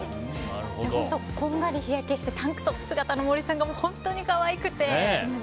こんがり日焼けしてタンクトップ姿の森さんが本当に可愛くて。